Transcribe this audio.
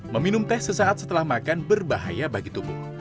meminum teh sesaat setelah makan berbahaya bagi tubuh